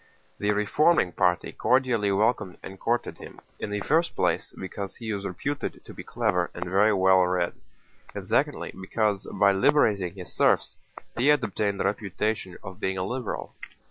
The reforming party cordially welcomed and courted him, in the first place because he was reputed to be clever and very well read, and secondly because by liberating his serfs he had obtained the reputation of being a liberal.